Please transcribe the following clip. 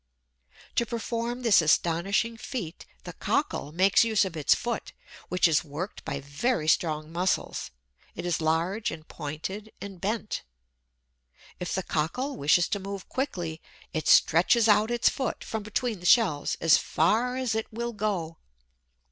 To perform this astonishing feat the Cockle makes use of its foot, which is worked by very strong muscles. It is large and pointed, and bent: if the Cockle wishes to move quickly, it stretches out its foot from between the shells, as far as it will go.